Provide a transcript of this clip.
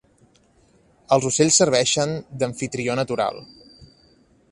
Els ocells serveixen d'amfitrió natural.